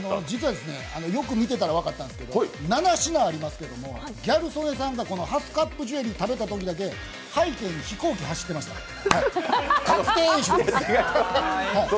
実はよくみてたら分かったんですけど、７品ありますけどギャル曽根さんがハスカップジュエリーを食べたとき背景に飛行機走ってました。